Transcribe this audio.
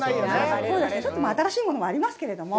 そうですね、ちょっと新しいものもありますけども。